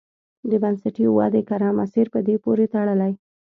د بنسټي ودې کره مسیر په دې پورې تړلی.